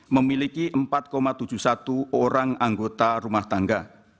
memiliki empat tujuh puluh satu orang anggota rumah tangga